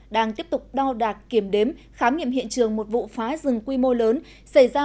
đang tiếp tục đo đạt kiểm đếm khám nghiệm hiện trường một vụ phá rừng quy mô lớn xảy ra